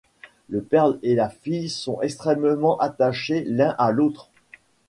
Le père et la fille sont extrêmement attachés l'un à l'autre.